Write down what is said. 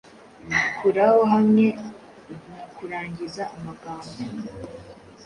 Kuraho hamwe na kurangiza amagambo